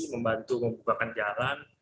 membantu membuka jalan